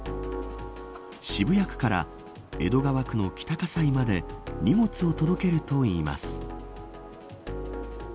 渋谷区から江戸川区の北葛西まで荷物を届けるといいます。